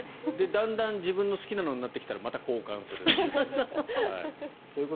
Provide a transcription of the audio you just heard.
だんだん自分の好きなのになってきたらまた交換するという。